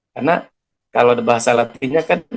karena kalau ada bahasa latinnya kan